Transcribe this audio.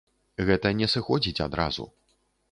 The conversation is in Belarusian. Гэта не сыходзіць адразу.